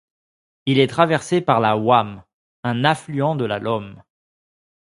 Il est traversé par la Wamme, un affluent de la Lomme.